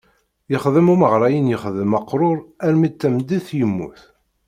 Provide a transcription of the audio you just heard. Yexdem umɣar ayen yexdem uqrur armi d tameddit, yemmut.